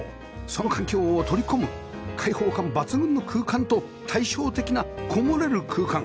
その環境を取り込む開放感抜群の空間と対照的な籠もれる空間